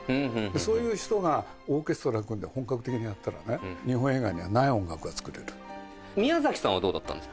そういう人がオーケストラ組んで本格的にやったらね、日本映画に宮崎さんはどうだったんです